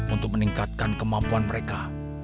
untuk meningkatkan kemampuan mereka